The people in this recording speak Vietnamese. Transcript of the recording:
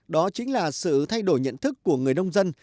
đó chính là sự thay đổi nhận thức của người nông dân